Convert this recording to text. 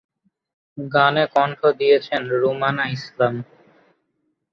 গানে কণ্ঠ দিয়েছেন রুমানা ইসলাম।